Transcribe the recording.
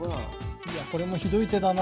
いやこれもひどい手だな。